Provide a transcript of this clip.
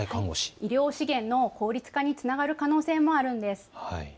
医療資源の効率化につながる可能性もあるんです。